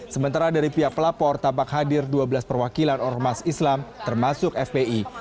sementara dari pihak pelapor tampak hadir dua belas perwakilan ormas islam termasuk fpi